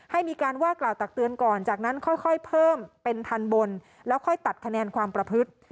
ให้มีการว่ากล่าวตักเตือนก่อนจากนั้นค่อยเพิ่มเป็นทันบนแล้วค่อยตัดคะแนนความประพฤติ